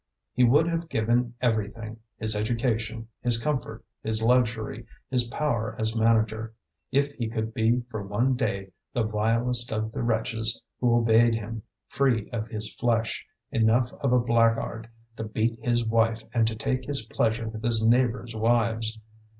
He would have given everything, his education, his comfort, his luxury, his power as manager, if he could be for one day the vilest of the wretches who obeyed him, free of his flesh, enough of a blackguard to beat his wife and to take his pleasure with his neighbours' wives.